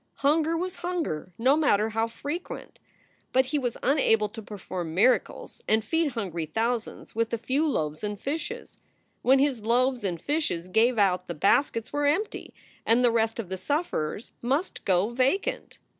Hunger was hunger no matter how frequent. But he was unable to perform miracles and feed hungry thousands with a few loaves and fishes. When his loaves and fishes gave out the baskets were empty, and the rest of the sufferers must go vacant.